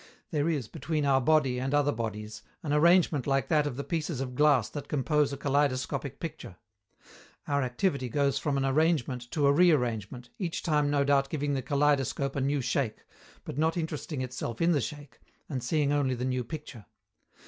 There is, between our body and other bodies, an arrangement like that of the pieces of glass that compose a kaleidoscopic picture. Our activity goes from an arrangement to a rearrangement, each time no doubt giving the kaleidoscope a new shake, but not interesting itself in the shake, and seeing only the new picture.